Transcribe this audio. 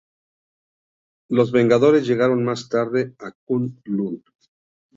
Los Vengadores llegaron más tarde a K'un-L'un.